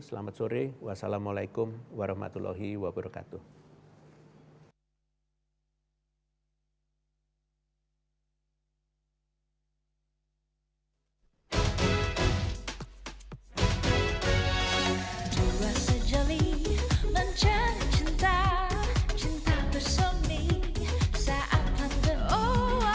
selamat sore wassalamualaikum warahmatullahi wabarakatuh